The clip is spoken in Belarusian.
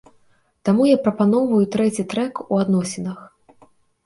Таму я і прапаноўваю трэці трэк у адносінах.